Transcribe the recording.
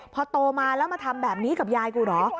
พอโตมาแล้วมาทำแบบนี้กับยายกูเหรอ